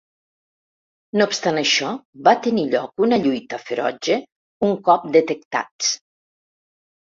No obstant això, va tenir lloc una lluita ferotge un cop detectats.